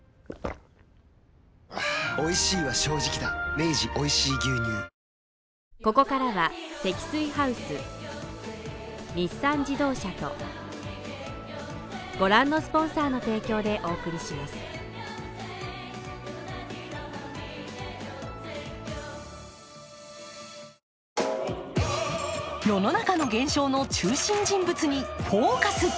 明治おいしい牛乳世の中の現象の中心人物に「ＦＯＣＵＳ」。